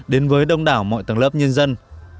đến với đông đảo mọi tầng lớp nhân dân